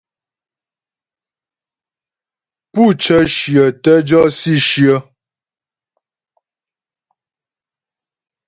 Pú cə́ shyə tə́ jɔ si shyə.